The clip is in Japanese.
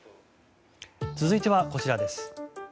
続いてはこちらです。